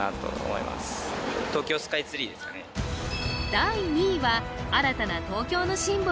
第２位は新たな東京のシンボル